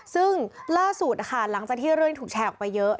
ซึ่งล่าสุดค่ะหลังจากที่เรื่องถูกแชร์ออกไปเยอะ